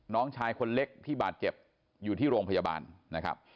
น้องชายคนเล็กที่บาดเจ็บอยู่ที่โรงพยาบาลนะครับ